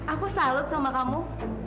aku salut sama kamu